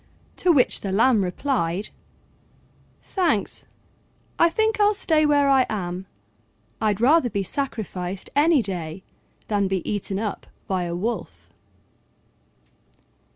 To which the Lamb replied, "Thanks, I think I'll stay where I am: I'd rather be sacrificed any day than be eaten up by a Wolf."